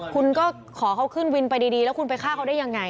คุณก็ขอเขาขึ้นวินไปดีแล้วคุณไปฆ่าเขาได้ยังไง